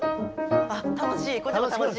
あっ楽しい。